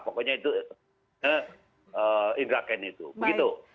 pokoknya itu indraken itu begitu